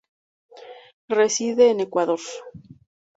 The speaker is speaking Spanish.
Reside en Ecuador.